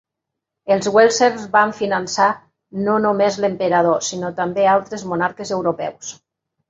Els Welser van finançar no només l'emperador, sinó també altres monarques europeus.